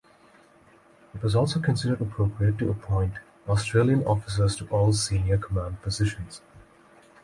It was also considered appropriate to appoint Australian officers to all senior command positions.